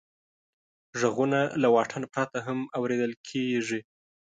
غږونه له واټن پرته هم اورېدل کېږي.